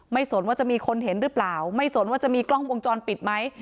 สนว่าจะมีคนเห็นหรือเปล่าไม่สนว่าจะมีกล้องวงจรปิดไหม